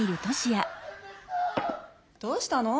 どうしたの？